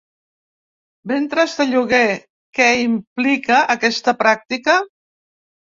Ventres de lloguer: què implica aquesta pràctica?